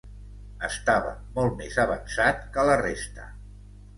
Estava molt més avançat que la resta.